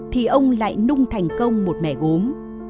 thì ông lại nung thành công một mẻ gốm